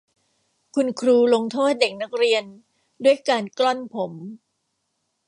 คุณครูลงโทษเด็กนักเรียนด้วยการกล้อนผม